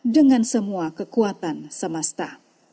dengan semua kekuatan semesta